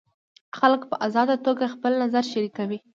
خلک په ازاده توګه خپل نظر شریکوي.